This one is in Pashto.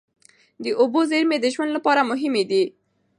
د اوبو زېرمې د ژوند لپاره مهمې دي.